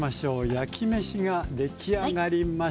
焼きめしが出来上がりました。